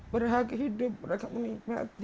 berhak hidup mereka menikmati